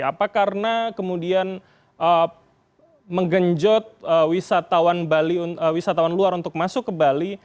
apa karena kemudian menggenjot wisatawan luar untuk masuk ke bali